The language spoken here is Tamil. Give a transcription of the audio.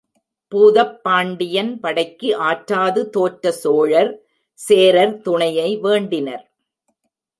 பூதப் பாண்டியன் படைக்கு ஆற்றாது தோற்ற சோழர், சேரர் துணையை வேண்டினர்.